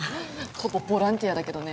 ここボランティアだけどね。